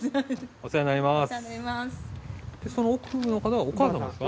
お世話になります。